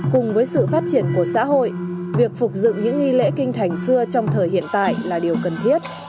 cùng với sự phát triển của xã hội việc phục dựng những nghi lễ kinh thành xưa trong thời hiện tại là điều cần thiết